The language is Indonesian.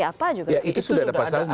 apa juga itu sudah ada